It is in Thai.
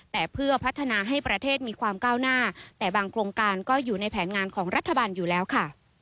แต่เพื่อพัฒนาให้ประเทศมีความก้าวหน้าแต่บางโครงการก็อยู่ในแผนงานของรัฐบาลอยู่แล้วค่ะ